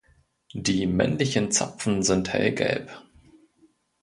Die männlichen Zapfen sind hellgelb.